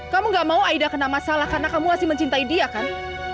kamu gak mau aida kena masalah karena kamu masih mencintai dia kan